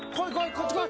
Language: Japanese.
こっち来い。